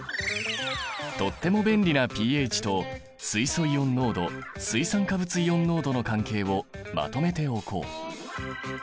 とっても便利なｐＨと水素イオン濃度水酸化物イオン濃度の関係をまとめておこう。